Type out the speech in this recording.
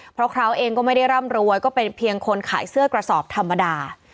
เพราะเขาเองก็ไม่ได้ร่ำรวยก็เป็นเพียงคนขายเสื้อกระสอบธรรมดา